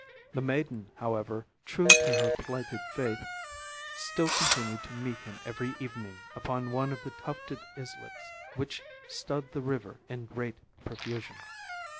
The maiden, however, true to her plighted faith, still continued to meet him every evening upon one of the tufted islets which stud the river in great profusion.